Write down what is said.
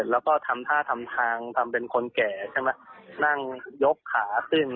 แล้วก็ทำท่าทำทางทำเป็นคนแก่ใช่ไหมนั่งยกขาขึ้น